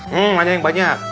hmm nanya yang banyak